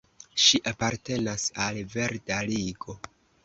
Ŝi apartenas al verda Ligo.